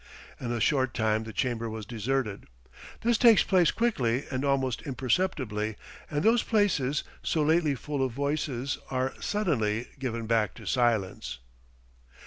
In a short time the chamber was deserted. This takes place quickly and almost imperceptibly, and those places, so lately full of voices, are suddenly given back to silence.